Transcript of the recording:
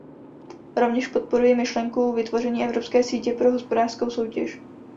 Rovněž podporuji myšlenku vytvoření Evropské sítě pro hospodářskou soutěž.